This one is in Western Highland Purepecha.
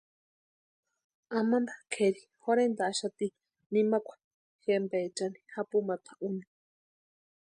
Amampa kʼeri jorhentaaxati nimakwa jempaechani japumata úni.